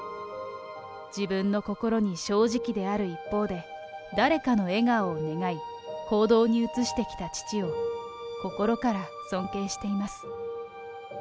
自分の心に正直である一方で、誰かの笑顔を願い、行動に移してきた父を、心から尊敬しています。